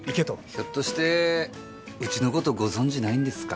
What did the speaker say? ひょっとしてウチの事ご存じないんですか？